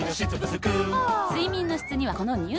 ふぁ睡眠の質にはこの乳酸菌。